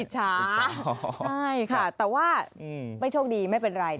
ใช่ค่ะแต่ว่าไม่โชคดีไม่เป็นไร